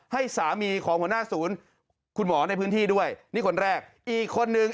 ให้สามีของหัวหน้าศูนย์คุณหมอในพื้นที่ด้วยนี่คนแรกอีกคนนึง